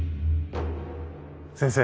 先生。